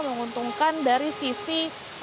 menguntungkan dari sisi